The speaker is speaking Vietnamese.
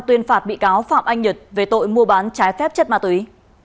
tuyên phạt bị cáo phạm anh nhật về tội mua bán trái phép chất ma túy